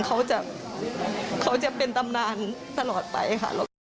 เขาจะเป็นตำนานตลอดไปค่ะ